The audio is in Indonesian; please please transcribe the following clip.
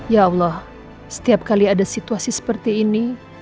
ya allah setiap kali ada situasi seperti ini